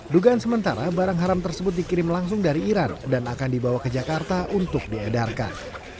dugaan sementara barang haram tersebut dikirim langsung dari iran dan akan dibawa ke jakarta untuk diedarkan